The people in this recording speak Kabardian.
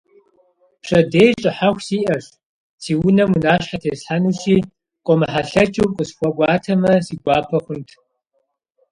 Пщэдей щӀыхьэху сиӀэщ, си унэм унащхьэ теслъхьэнущи, къомыхьэлъэкӀыу укъысхуэкӀуатэмэ, си гуапэ хъунт.